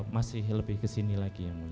masih lebih ke sini lagi ya mulia